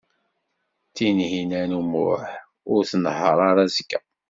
Tinhinan u Muḥ ur tnehheṛ ara azekka.